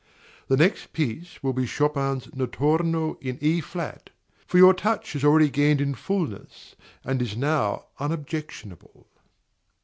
The next piece will be Chopin's Notturno in E flat; for your touch has already gained in fulness, and is now unobjectionable.